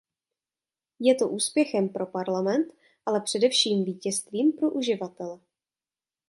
Je to úspěchem pro Parlament, ale především vítězstvím pro uživatele.